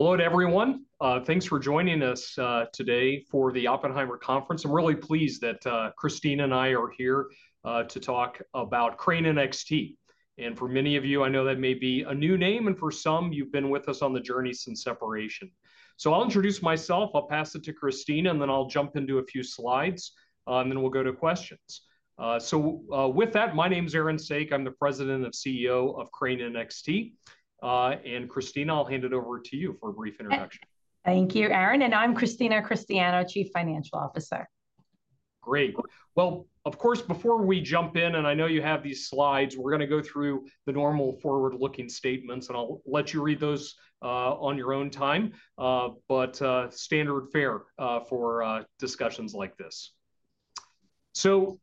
Good morning, everyone. Thanks for joining us today for the Oppenheimer Conference. I'm really pleased that Christina and I are here to talk about Crane NXT. For many of you, I know that may be a new name, and for some, you've been with us on the journey since separation. I'll introduce myself, I'll pass it to Christina, and then I'll jump into a few slides, and then we'll go to questions. With that, my name is Aaron Saak. I'm the President and CEO of Crane NXT. Christina, I'll hand it over to you for a brief introduction. Thank you, Aaron. I'm Christina Cristiano, Chief Financial Officer. Great. Of course, before we jump in, and I know you have these slides, we're going to go through the normal forward-looking statements. I'll let you read those on your own time, but standard fare for discussions like this.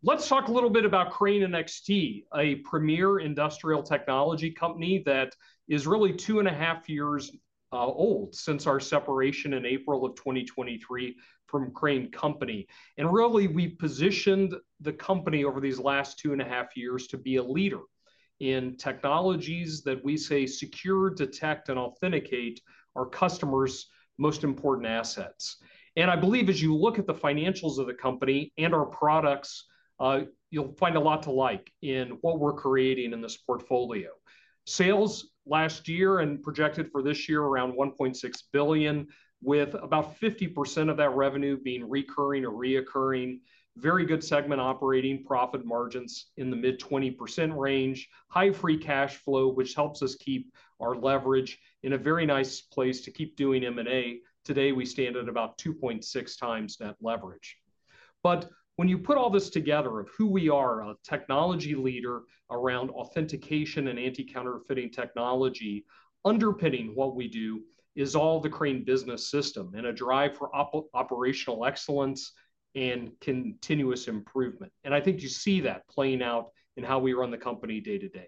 Let's talk a little bit about Crane NXT, a premier industrial technology company that is really two and a half years old since our separation in April 2023 from Crane Company. We positioned the company over these last two and a half years to be a leader in technologies that we say secure, detect, and authenticate our customers' most important assets. I believe as you look at the financials of the company and our products, you'll find a lot to like in what we're creating in this portfolio. Sales last year and projected for this year are around $1.6 billion, with about 50% of that revenue being recurring or reoccurring. Very good segment operating profit margins in the mid 20% range, high free cash flow, which helps us keep our leverage in a very nice place to keep doing M&A. Today, we stand at about 2.6x that leverage. When you put all this together of who we are, a technology leader around authentication and anti-counterfeiting technology, underpinning what we do is all the Crane Business System and a drive for operational excellence and continuous improvement. I think you see that playing out in how we run the company day to day.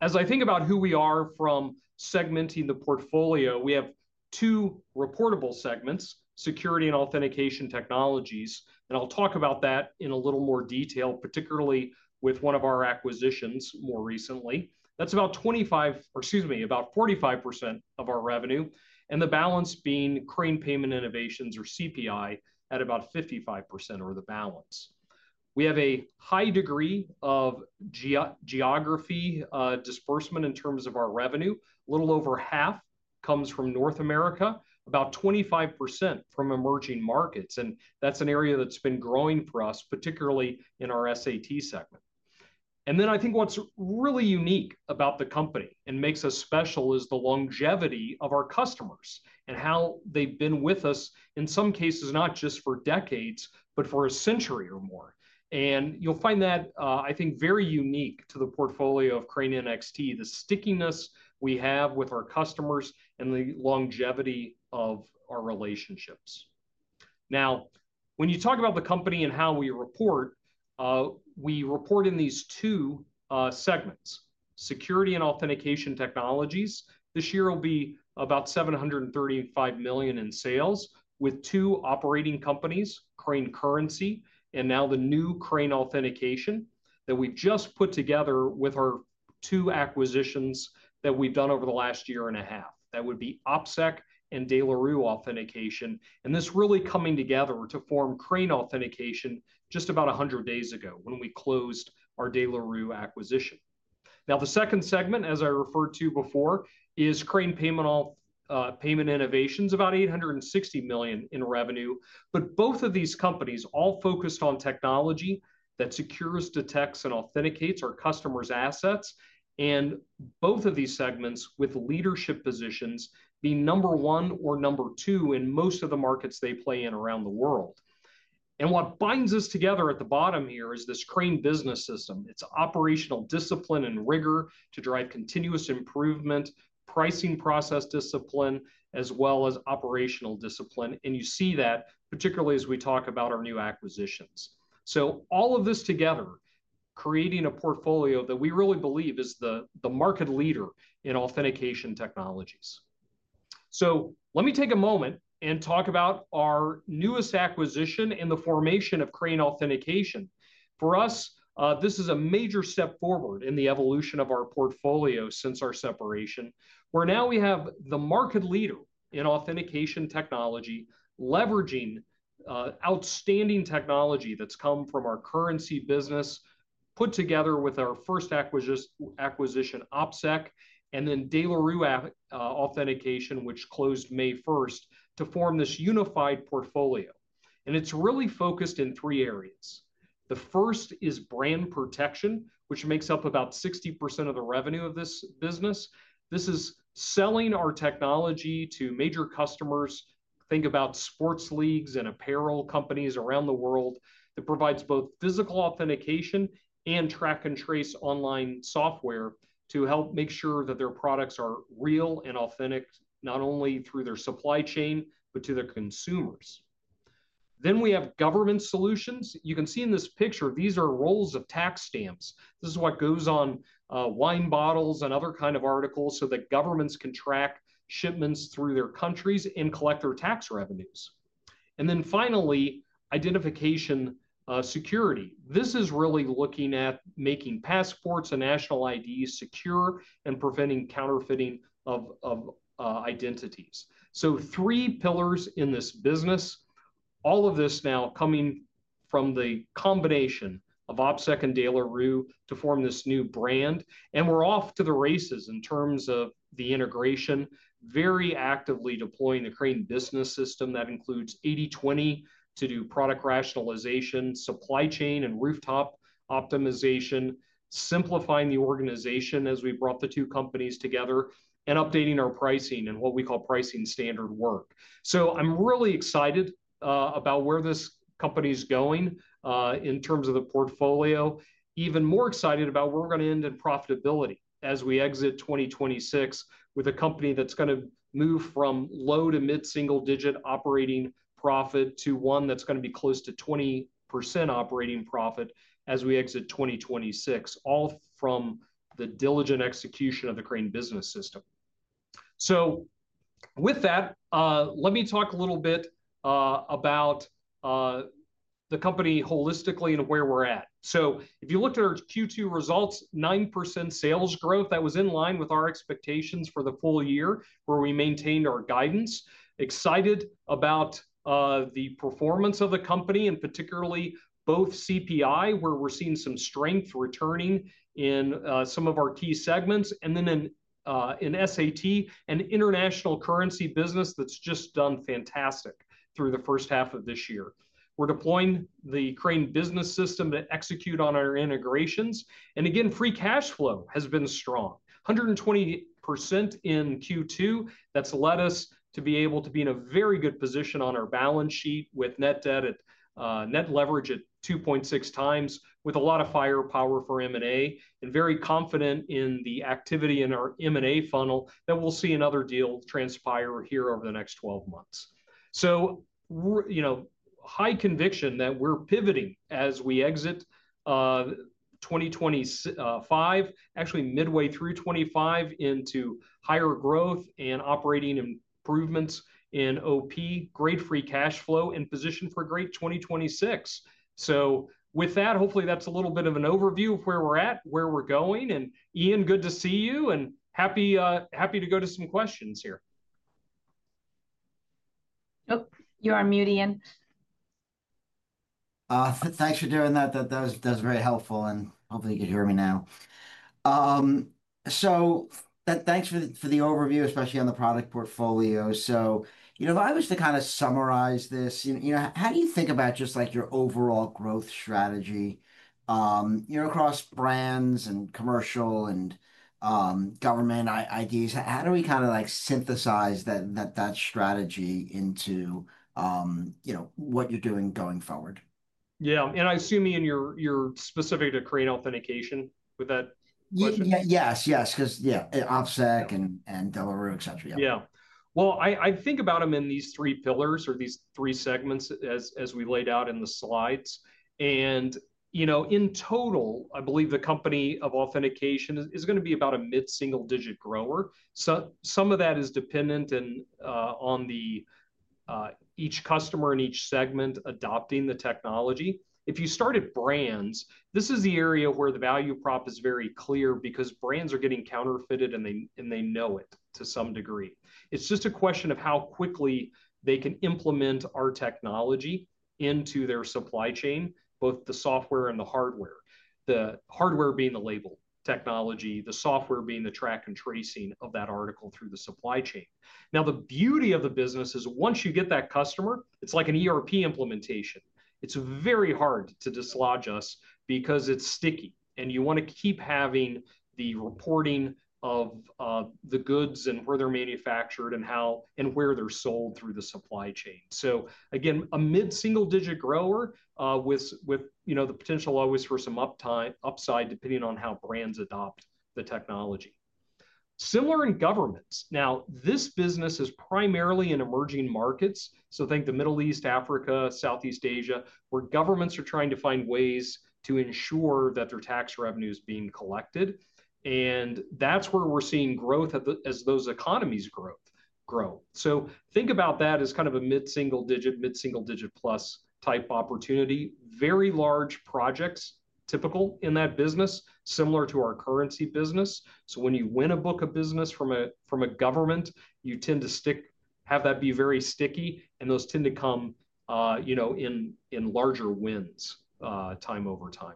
As I think about who we are from segmenting the portfolio, we have two reportable segments: security and authentication technologies. I'll talk about that in a little more detail, particularly with one of our acquisitions more recently. That's about 45% of our revenue, and the balance being Crane Payment Innovations, or CPI, at about 55%. We have a high degree of geography disbursement in terms of our revenue. A little over half comes from North America, about 25% from emerging markets. That's an area that's been growing for us, particularly in our SAT segment. I think what's really unique about the company and makes us special is the longevity of our customers and how they've been with us, in some cases, not just for decades, but for a century or more. You'll find that, I think, very unique to the portfolio of Crane NXT, the stickiness we have with our customers and the longevity of our relationships. Now, when you talk about the company and how we report, we report in these two segments: security and authentication technologies. This year will be about $735 million in sales with two operating companies, Crane Currency and now the new Crane Authentication that we just put together with our two acquisitions that we've done over the last year and a half. That would be OPSEC and De La Rue Authentication. This really coming together to form Crane Authentication just about 100 days ago when we closed our De La Rue acquisition. The second segment, as I referred to before, is Crane Payment Innovations, about $860 million in revenue. Both of these companies are all focused on technology that secures, detects, and authenticates our customers' assets. Both of these segments have leadership positions, being number one or number two in most of the markets they play in around the world. What binds us together at the bottom here is this Crane Business System. It's operational discipline and rigor to drive continuous improvement, pricing process discipline, as well as operational discipline. You see that particularly as we talk about our new acquisitions. All of this together is creating a portfolio that we really believe is the market leader in authentication technologies. Let me take a moment and talk about our newest acquisition in the formation of Crane Authentication. For us, this is a major step forward in the evolution of our portfolio since our separation, where now we have the market leader in authentication technology, leveraging outstanding technology that's come from our currency business, put together with our first acquisition, OPSEC, and then De La Rue Authentication, which closed May 1, to form this unified portfolio. It's really focused in three areas. The first is brand protection, which makes up about 60% of the revenue of this business. This is selling our technology to major customers. Think about sports leagues and apparel companies around the world. It provides both physical authentication and track and trace online software to help make sure that their products are real and authentic, not only through their supply chain, but to their consumers. We have government solutions. You can see in this picture, these are rolls of tax stamps. This is what goes on wine bottles and other kinds of articles so that governments can track shipments through their countries and collect their tax revenues. Finally, identification security. This is really looking at making passports and national IDs secure and preventing counterfeiting of identities. Three pillars in this business, all of this now coming from the combination of OPSEC and De La Rue to form this new brand. We're off to the races in terms of the integration, very actively deploying the Crane Business System that includes 80/20 to do product rationalization, supply chain, and rooftop optimization, simplifying the organization as we brought the two companies together, and updating our pricing and what we call pricing standard work. I'm really excited about where this company is going in terms of the portfolio. Even more excited about where we're going to end in profitability as we exit 2026 with a company that's going to move from low to mid-single-digit operating profit to one that's going to be close to 20% operating profit as we exit 2026, all from the diligent execution of the Crane Business System. Let me talk a little bit about the company holistically and where we're at. If you looked at our Q2 results, 9% sales growth. That was in line with our expectations for the full year, where we maintained our guidance. Excited about the performance of the company and particularly both CPI, where we're seeing some strength returning in some of our key segments, and then in SAT, an international currency business that's just done fantastic through the first half of this year. We're deploying the Crane Business System to execute on our integrations. Free cash flow has been strong, 120% in Q2. That's led us to be able to be in a very good position on our balance sheet with net debt at net leverage at 2.6x, with a lot of firepower for M&A, and very confident in the activity in our M&A funnel that we'll see another deal transpire here over the next 12 months. We have high conviction that we're pivoting as we exit 2025, actually midway through 2025 into higher growth and operating improvements in OP, great free cash flow, and position for great 2026. Hopefully that's a little bit of an overview of where we're at, where we're going. Ian, good to see you and happy to go to some questions here. Oh, you're on mute, Ian. Thanks for doing that. That was very helpful, and hopefully you could hear me now. Thanks for the overview, especially on the product portfolio. If I was to kind of summarize this, how do you think about just like your overall growth strategy across brands and commercial and government IDs? How do we kind of like synthesize that strategy into what you're doing going forward? Yeah. I assume, Ian, you're specific to Crane Authentication with that? Yes, yes, because OPSEC and De La Rue Authentication, et cetera. I think about them in these three pillars or these three segments as we laid out in the slides. In total, I believe the company of authentication is going to be about a mid-single-digit grower. Some of that is dependent on each customer in each segment adopting the technology. If you start at brands, this is the area where the value prop is very clear because brands are getting counterfeited and they know it to some degree. It's just a question of how quickly they can implement our technology into their supply chain, both the software and the hardware. The hardware being the label technology, the software being the track and trace of that article through the supply chain. The beauty of the business is once you get that customer, it's like an ERP implementation. It's very hard to dislodge us because it's sticky. You want to keep having the reporting of the goods and where they're manufactured and how and where they're sold through the supply chain. Again, a mid-single-digit grower with the potential always for some upside depending on how brands adopt the technology. Similar in governments. This business is primarily in emerging markets. Think the Middle East, Africa, Southeast Asia, where governments are trying to find ways to ensure that their tax revenue is being collected. That's where we're seeing growth as those economies grow. Think about that as kind of a mid-single-digit, mid-single-digit plus type opportunity. Very large projects typical in that business, similar to our currency business. When you win a book of business from a government, you tend to have that be very sticky, and those tend to come in larger wins time over time.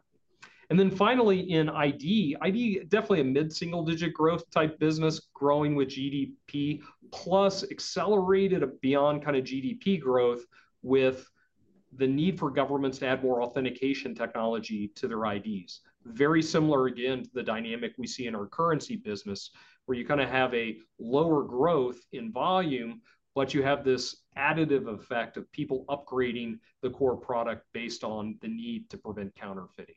Finally, in ID, ID definitely a mid-single-digit growth type business growing with GDP plus accelerated beyond kind of GDP growth with the need for governments to add more authentication technology to their IDs. Very similar again to the dynamic we see in our currency business, where you kind of have a lower growth in volume, but you have this additive effect of people upgrading the core product based on the need to prevent counterfeiting.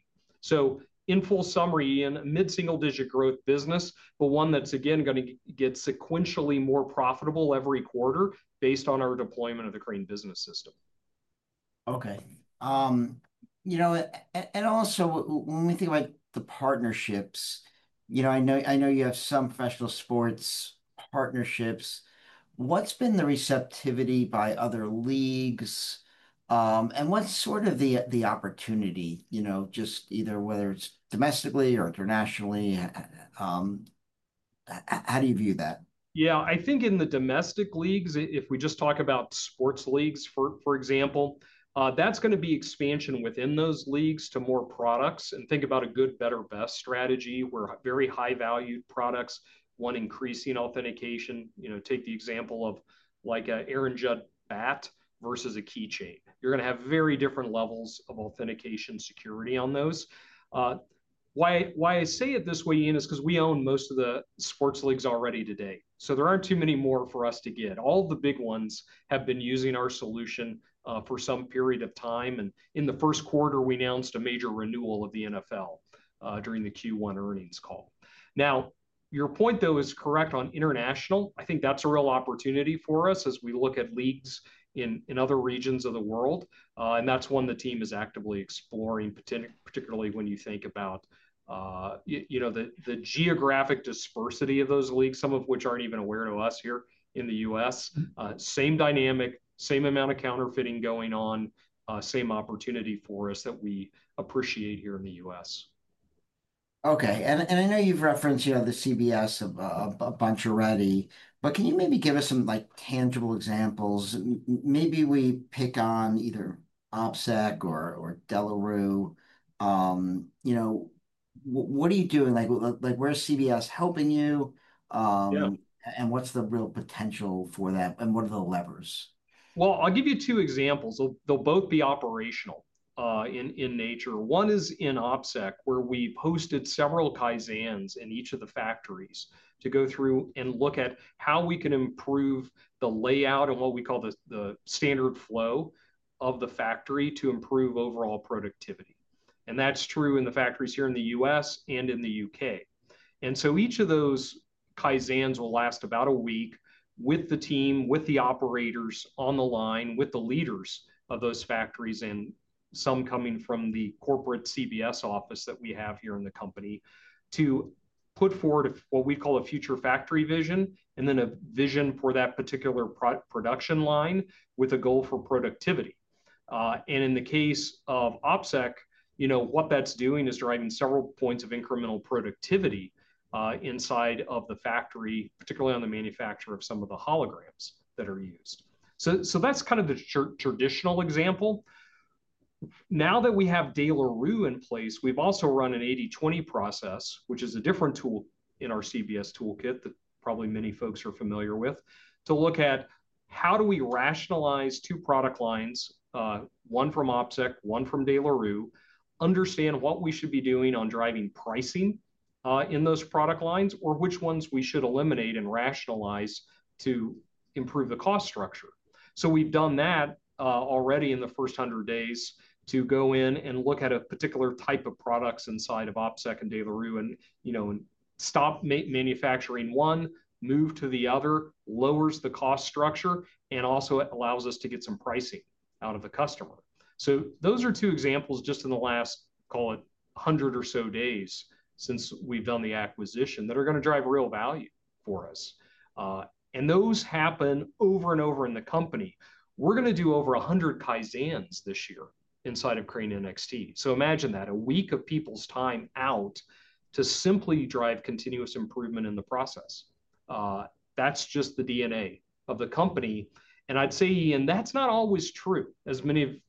In full summary, Ian, a mid-single-digit growth business, but one that's again going to get sequentially more profitable every quarter based on our deployment of the Crane Business System. Okay. You know, when we think about the partnerships, I know you have some professional sports partnerships. What's been the receptivity by other leagues? What's sort of the opportunity, whether it's domestically or internationally? How do you view that? Yeah, I think in the domestic leagues, if we just talk about sports leagues, for example, that's going to be expansion within those leagues to more products. Think about a good, better, best strategy where very high-valued products want increasing authentication. Take the example of like an Aaron Judd bat versus a keychain. You're going to have very different levels of authentication security on those. Why I say it this way, Ian, is because we own most of the sports leagues already today. There aren't too many more for us to get. All the big ones have been using our solution for some period of time. In the first quarter, we announced a major renewal of the NFL during the Q1 Earnings Call. Your point though is correct on international. I think that's a real opportunity for us as we look at leagues in other regions of the world. That's one the team is actively exploring, particularly when you think about the geographic diversity of those leagues, some of which aren't even aware of us here in the U.S. Same dynamic, same amount of counterfeiting going on, same opportunity for us that we appreciate here in the U.S. Okay. I know you've referenced the CBS a bunch already, but can you maybe give us some tangible examples? Maybe we pick on either OPSEC or De La Rue. You know, what are you doing? Where's the CBS helping you? What's the real potential for that? What are the levers? I'll give you two examples. They'll both be operational in nature. One is in OPSEC, where we posted several Kaizens in each of the factories to go through and look at how we can improve the layout and what we call the standard flow of the factory to improve overall productivity. That's true in the factories here in the U.S. and in the U.K. Each of those Kaizens will last about a week with the team, with the operators on the line, with the leaders of those factories, and some coming from the corporate CBS office that we have here in the company to put forward what we call a future factory vision and then a vision for that particular production line with a goal for productivity. In the case of OPSEC, what that's doing is driving several points of incremental productivity inside of the factory, particularly on the manufacture of some of the holograms that are used. That's kind of the traditional example. Now that we have De La Rue in place, we've also run an 80/20 process, which is a different tool in our CBS toolkit that probably many folks are familiar with, to look at how do we rationalize two product lines, one from OPSEC, one from De La Rue, understand what we should be doing on driving pricing in those product lines or which ones we should eliminate and rationalize to improve the cost structure. We've done that already in the first 100 days to go in and look at a particular type of products inside of OPSEC and De La Rue and stop manufacturing one, move to the other, lowers the cost structure, and also allows us to get some pricing out of the customer. Those are two examples just in the last, call it, 100 or so days since we've done the acquisition that are going to drive real value for us. Those happen over and over in the company. We're going to do over 100 Kaizens this year inside of Crane NXT. Imagine that, a week of people's time out to simply drive continuous improvement in the process. That's just the DNA of the company. I'd say, Ian, that's not always true. As many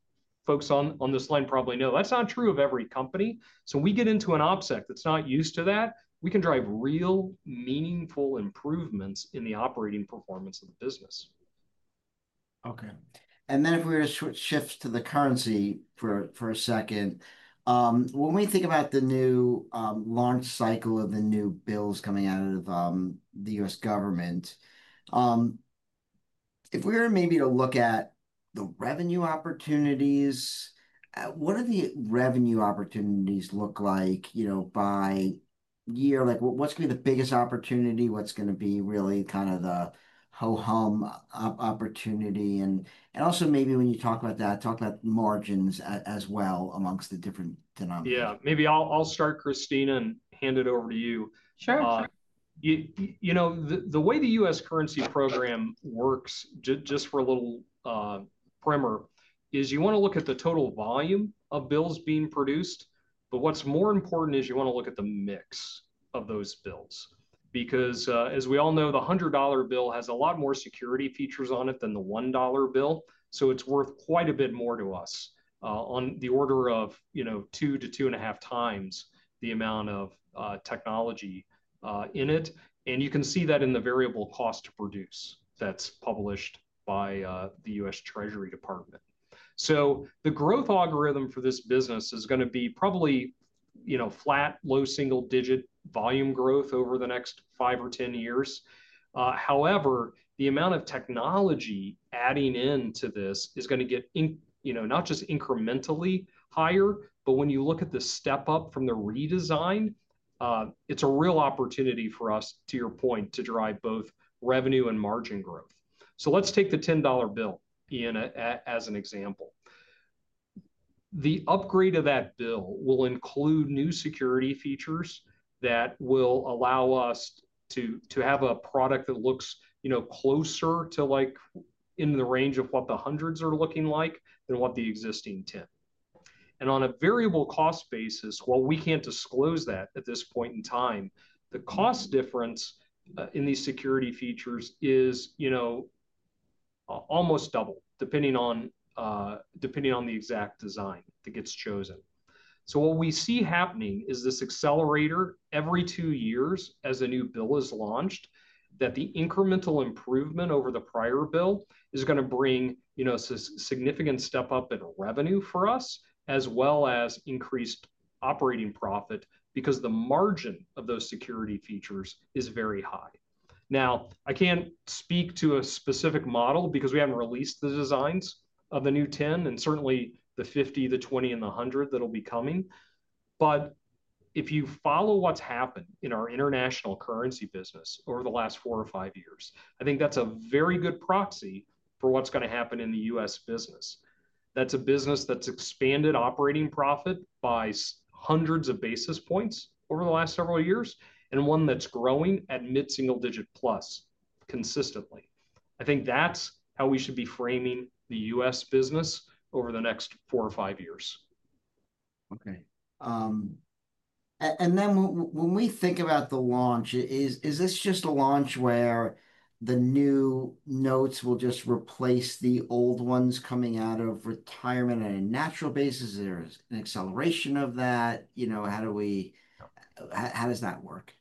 folks on this line probably know, that's not true of every company. When we get into an OPSEC that's not used to that, we can drive real meaningful improvements in the operating performance of the business. Okay. If we were to shift to the currency for a second, when we think about the new launch cycle of the new bills coming out of the U.S. government, if we were maybe to look at the revenue opportunities, what do the revenue opportunities look like by year? What's going to be the biggest opportunity? What's going to be really kind of the ho-hum opportunity? Also, maybe when you talk about that, talk about margins as well amongst the different denominators. Yeah, maybe I'll start, Christina, and hand it over to you. Sure. You know, the way the U.S. currency program works, just for a little primer, is you want to look at the total volume of bills being produced, but what's more important is you want to look at the mix of those bills. Because as we all know, the $100 bill has a lot more security features on it than the $1 bill. It's worth quite a bit more to us, on the order of, you know, 2x-2.5x the amount of technology in it. You can see that in the variable cost to produce that's published by the U.S. Treasury Department. The growth algorithm for this business is going to be probably, you know, flat, low single-digit volume growth over the next five or 10 years. However, the amount of technology adding into this is going to get, you know, not just incrementally higher. When you look at the step up from the redesign, it's a real opportunity for us, to your point, to drive both revenue and margin growth. Let's take the $10 bill, Ian, as an example. The upgrade of that bill will include new security features that will allow us to have a product that looks, you know, closer to like in the range of what the hundreds are looking like than what the existing 10. On a variable cost basis, while we can't disclose that at this point in time, the cost difference in these security features is, you know, almost double depending on the exact design that gets chosen. What we see happening is this accelerator every two years as a new bill is launched, that the incremental improvement over the prior bill is going to bring, you know, a significant step up in revenue for us, as well as increased operating profit because the margin of those security features is very high. Now, I can't speak to a specific model because we haven't released the designs of the new 10 and certainly the 50, the 20, and the 100 that'll be coming. If you follow what's happened in our international currency business over the last four or five years, I think that's a very good proxy for what's going to happen in the U.S. business. That's a business that's expanded operating profit by hundreds of basis points over the last several years and one that's growing at mid-single-digit plus consistently. I think that's how we should be framing the U.S. business over the next four or five years. Okay. When we think about the launch, is this just a launch where the new notes will just replace the old ones coming out of retirement on a natural basis? Is there an acceleration of that? How does that work?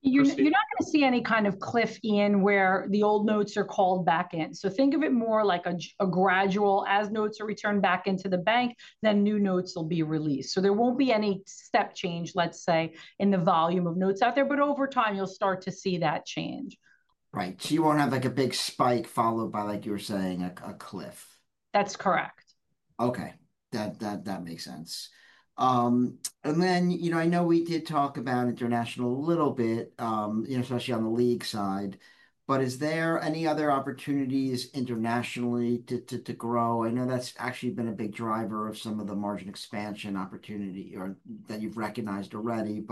You're not going to see any kind of cliff, Ian, where the old notes are called back in. Think of it more like a gradual, as notes are returned back into the bank, then new notes will be released. There won't be any step change, let's say, in the volume of notes out there, but over time you'll start to see that change. Right. You won't have a big spike followed by, like you were saying, a cliff. That's correct. Okay. That makes sense. I know we did talk about international a little bit, especially on the league side, but is there any other opportunities internationally to grow? I know that's actually been a big driver of some of the margin expansion opportunity that you've recognized already.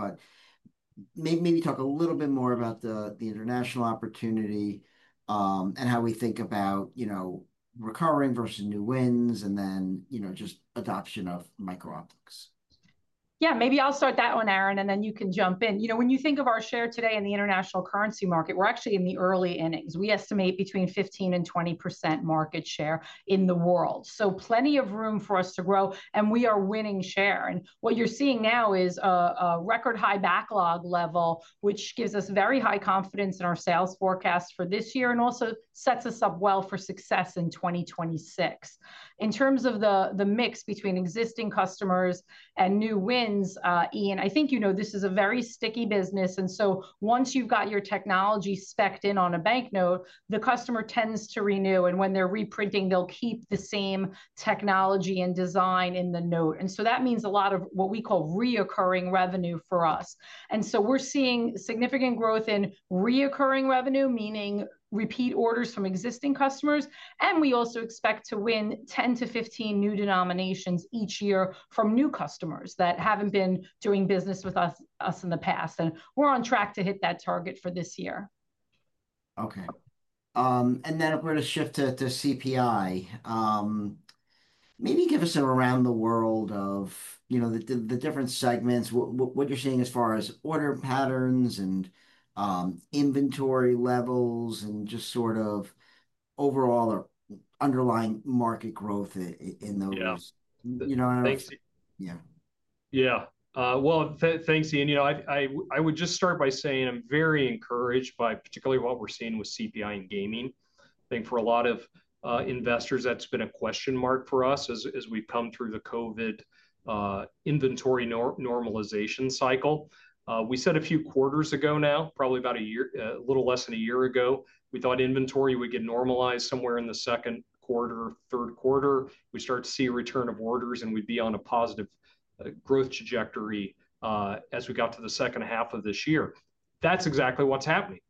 Maybe talk a little bit more about the international opportunity and how we think about recurring versus new wins and just adoption of micro-ops. Yeah, maybe I'll start that one, Aaron, and then you can jump in. You know, when you think of our share today in the international currency market, we're actually in the early innings. We estimate between 15% and 20% market share in the world. Plenty of room for us to grow, and we are winning share. What you're seeing now is a record high backlog level, which gives us very high confidence in our sales forecast for this year and also sets us up well for success in 2026. In terms of the mix between existing customers and new wins, Ian, I think this is a very sticky business. Once you've got your technology specced in on a bank note, the customer tends to renew. When they're reprinting, they'll keep the same technology and design in the note. That means a lot of what we call recurring revenue for us. We're seeing significant growth in recurring revenue, meaning repeat orders from existing customers. We also expect to win 10-15 new denominations each year from new customers that haven't been doing business with us in the past. We're on track to hit that target for this year. Okay. If we were to shift to CPI, maybe give us an around the world of the different segments, what you're seeing as far as order patterns and inventory levels, and just sort of overall underlying market growth in those. Yeah. Yeah. Thanks, Ian. I would just start by saying I'm very encouraged by particularly what we're seeing with CPI in gaming. I think for a lot of investors, that's been a question mark for us as we've come through the COVID inventory normalization cycle. We said a few quarters ago now, probably about a year, a little less than a year ago, we thought inventory would get normalized somewhere in the second quarter, third quarter. We start to see a return of orders and we'd be on a positive growth trajectory as we got to the second half of this year. That's exactly what's happening.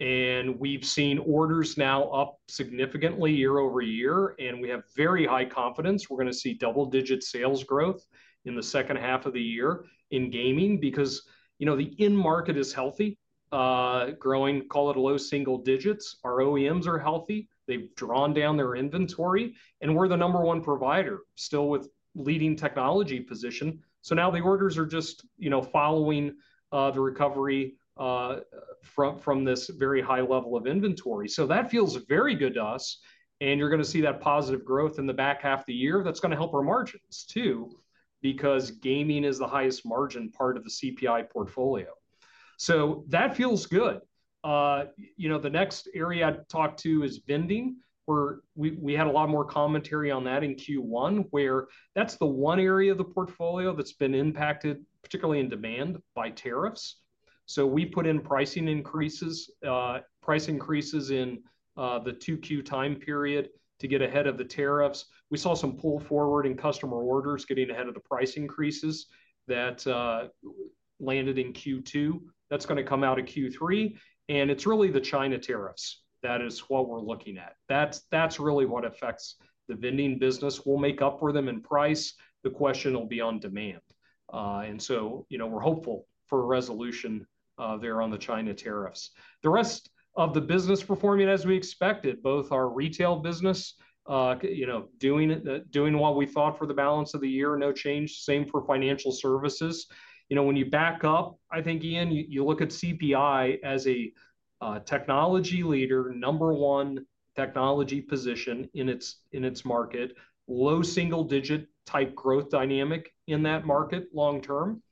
We've seen orders now up significantly year-over-year, and we have very high confidence we're going to see double-digit sales growth in the second half of the year in gaming because the in-market is healthy, growing, call it low single digits. Our OEMs are healthy. They've drawn down their inventory. We're the number one provider still with leading technology position. Now the orders are just following the recovery from this very high level of inventory. That feels very good to us. You're going to see that positive growth in the back half of the year. That's going to help our margins too because gaming is the highest margin part of the CPI portfolio. That feels good. The next area I'd talk to is vending. We had a lot more commentary on that in Q1, where that's the one area of the portfolio that's been impacted, particularly in demand by tariffs. We put in price increases in the 2Q time period to get ahead of the tariffs. We saw some pull forward in customer orders getting ahead of the price increases that landed in Q2. That's going to come out of Q3. It's really the China tariffs that is what we're looking at. That's really what affects the vending business. We'll make up for them in price. The question will be on demand. We're hopeful for a resolution there on the China tariffs. The rest of the business performing as we expect it, both our retail business doing what we thought for the balance of the year, no change, same for financial services. When you back up, I think, Ian, you look at CPI as a technology leader, number one technology position in its market, low single-digit type growth dynamic in that market long-term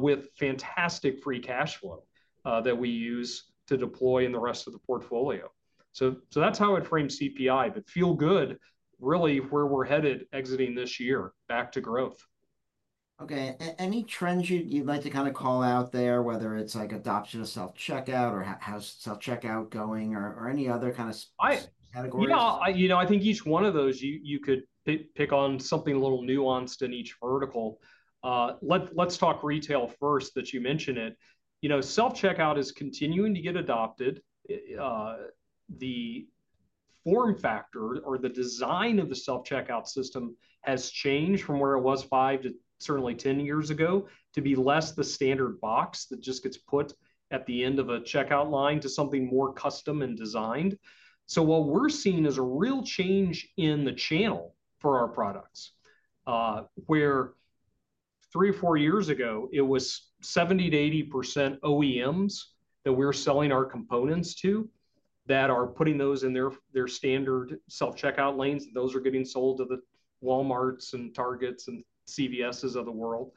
with fantastic free cash flow that we use to deploy in the rest of the portfolio. That's how I'd frame CPI, but feel good really where we're headed exiting this year back to growth. Okay. Any trends you'd like to kind of call out there, whether it's like adoption of self-checkout or how's self-checkout going or any other kind of category? You know, I think each one of those you could pick on something a little nuanced in each vertical. Let's talk retail first that you mentioned it. You know, self-checkout is continuing to get adopted. The form factor or the design of the self-checkout system has changed from where it was five to certainly 10 years ago to be less the standard box that just gets put at the end of a checkout line to something more custom and designed. What we're seeing is a real change in the channel for our products, where three or four years ago it was 70%-80% OEMs that we're selling our components to that are putting those in their standard self-checkout lanes. Those are getting sold to the Walmarts and Targets and CVSs of the world.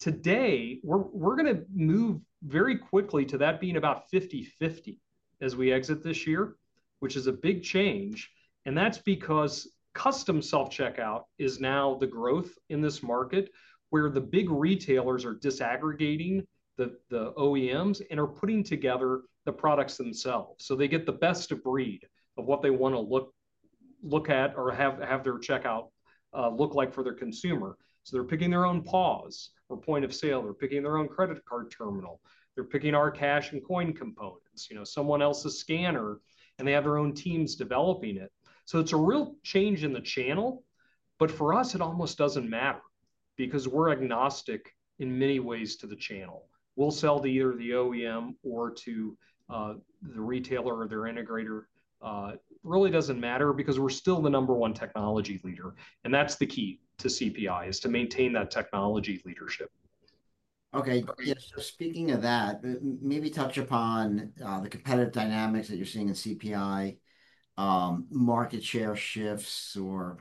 Today, we're going to move very quickly to that being about 50/50 as we exit this year, which is a big change. That's because custom self-checkout is now the growth in this market where the big retailers are disaggregating the OEMs and are putting together the products themselves. They get the best of breed of what they want to look at or have their checkout look like for their consumer. They're picking their own POS or point of sale. They're picking their own credit card terminal. They're picking our cash and coin components, you know, someone else's scanner, and they have their own teams developing it. It's a real change in the channel. For us, it almost doesn't matter because we're agnostic in many ways to the channel. We'll sell to either the OEM or to the retailer or their integrator. It really doesn't matter because we're still the number one technology leader. That's the key to CPI is to maintain that technology leadership. Okay. Yeah. Speaking of that, maybe touch upon the competitive dynamics that you're seeing in CPI, market share shifts, or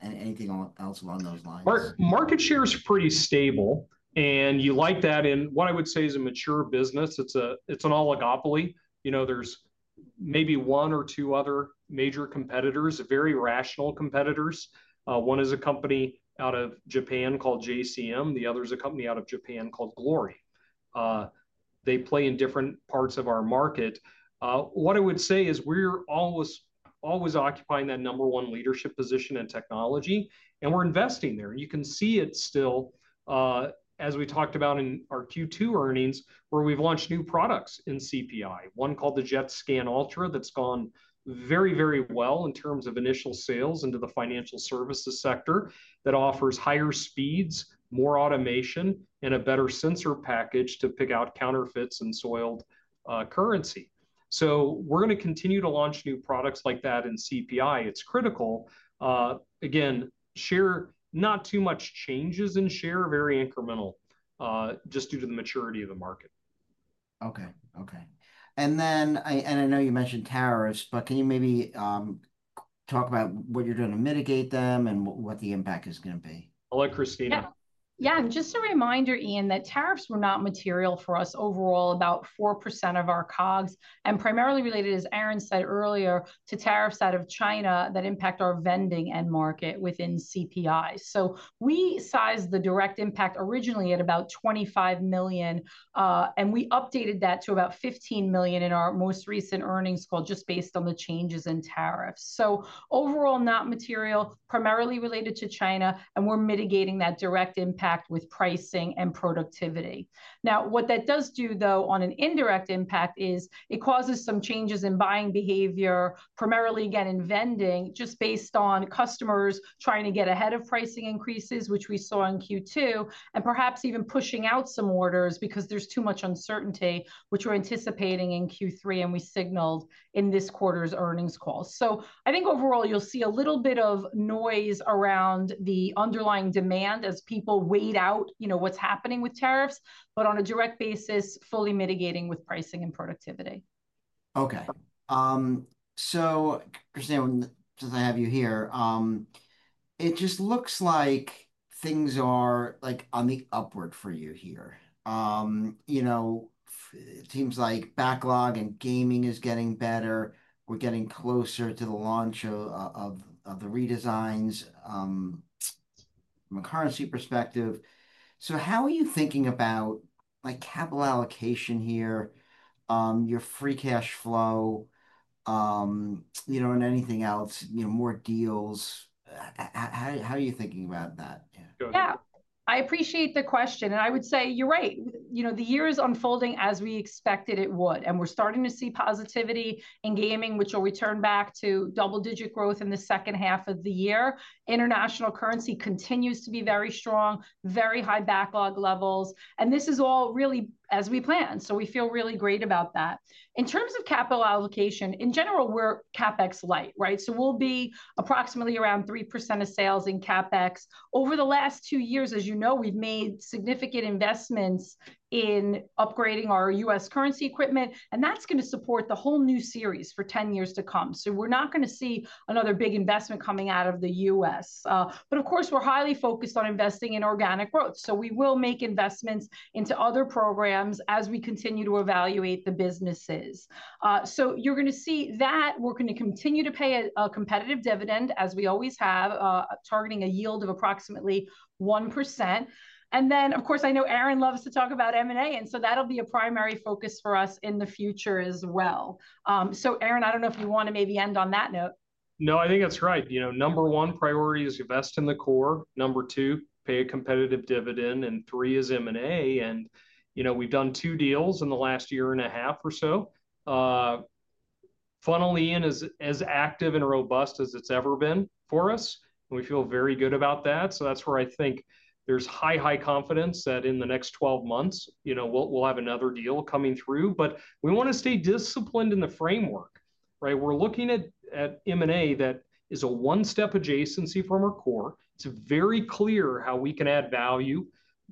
anything else along those lines. Market share is pretty stable. You like that in what I would say is a mature business. It's an oligopoly. There's maybe one or two other major competitors, very rational competitors. One is a company out of Japan called JCM. The other is a company out of Japan called Glory. They play in different parts of our market. What I would say is we're always occupying that number one leadership position in technology, and we're investing there. You can see it still, as we talked about in our Q2 earnings, where we've launched new products in CPI, one called the Jet Scan Ultra that's gone very, very well in terms of initial sales into the financial services sector. That offers higher speeds, more automation, and a better sensor package to pick out counterfeits and soiled currency. We are going to continue to launch new products like that in CPI. It's critical. Again, not too much changes in share, very incremental, just due to the maturity of the market. Okay. I know you mentioned tariffs, but can you maybe talk about what you're doing to mitigate them and what the impact is going to be? I'll let Christina. Yeah, just a reminder, Ian, that tariffs were not material for us overall, about 4% of our COGS, and primarily related, as Aaron said earlier, to tariffs out of China that impact our vending end market within CPI. We sized the direct impact originally at about $25 million, and we updated that to about $15 million in our most recent earnings call just based on the changes in tariffs. Overall, not material, primarily related to China, and we're mitigating that direct impact with pricing and productivity. What that does do, though, on an indirect impact is it causes some changes in buying behavior, primarily, again, in vending, just based on customers trying to get ahead of pricing increases, which we saw in Q2, and perhaps even pushing out some orders because there's too much uncertainty, which we're anticipating in Q3, and we signaled in this quarter's earnings call. I think overall, you'll see a little bit of noise around the underlying demand as people wait out, you know, what's happening with tariffs, but on a direct basis, fully mitigating with pricing and productivity. Okay. Christina, since I have you here, it just looks like things are on the upward for you here. It seems like backlog and gaming is getting better. We're getting closer to the launch of the redesigns from a currency perspective. How are you thinking about capital allocation here, your free cash flow, and anything else, more deals? How are you thinking about that? Yeah, I appreciate the question. I would say you're right. The year is unfolding as we expected it would. We're starting to see positivity in gaming, which will return back to double-digit growth in the second half of the year. International currency continues to be very strong, very high backlog levels. This is all really as we planned. We feel really great about that. In terms of capital allocation, in general, we're CapEx light, right? We'll be approximately around 3% of sales in CapEx. Over the last two years, as you know, we've made significant investments in upgrading our U.S. currency equipment. That's going to support the whole new series for 10 years to come. We're not going to see another big investment coming out of the U.S. Of course, we're highly focused on investing in organic growth. We will make investments into other programs as we continue to evaluate the businesses. You're going to see that we're going to continue to pay a competitive dividend, as we always have, targeting a yield of approximately 1%. I know Aaron loves to talk about M&A. That'll be a primary focus for us in the future as well. Aaron, I don't know if you want to maybe end on that note. No, I think that's right. Number one priority is invest in the core. Number two, pay a competitive dividend. Three is M&A. We've done two deals in the last year and a half or so. Funnel, Ian, is as active and robust as it's ever been for us, and we feel very good about that. That's where I think there's high, high confidence that in the next 12 months, we'll have another deal coming through. We want to stay disciplined in the framework, right? We're looking at M&A that is a one-step adjacency from our core. It's very clear how we can add value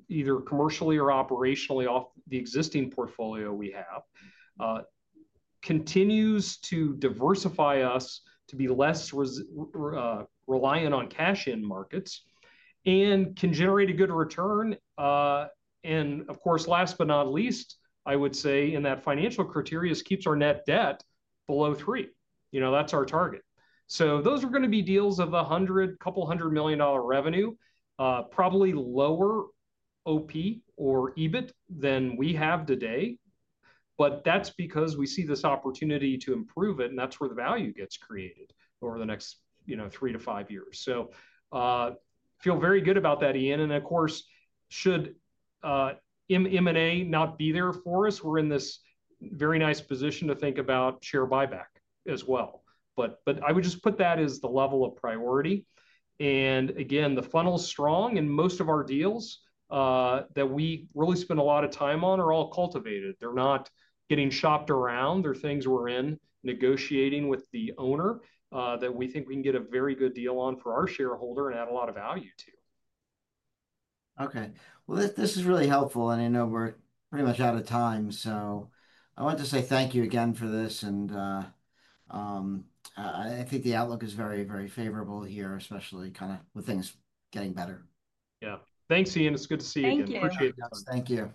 either commercially or operationally off the existing portfolio we have. It continues to diversify us to be less reliant on cash in markets and can generate a good return. Of course, last but not least, I would say in that financial criteria, it keeps our net debt below 3x. That's our target. Those are going to be deals of $100 million, a couple hundred million dollar revenue, probably lower OP or EBIT than we have today, but that's because we see this opportunity to improve it. That's where the value gets created over the next three to five years. I feel very good about that, Ian. Of course, should M&A not be there for us, we're in this very nice position to think about share buyback as well. I would just put that as the level of priority. Again, the funnel's strong and most of our deals that we really spend a lot of time on are all cultivated. They're not getting shopped around. They're things we're in negotiating with the owner that we think we can get a very good deal on for our shareholder and add a lot of value to. Okay. This is really helpful. I know we're pretty much out of time. I want to say thank you again for this. I think the outlook is very, very favorable here, especially kind of with things getting better. Yeah, thanks, Ian. It's good to see you again. Appreciate it. Thank you.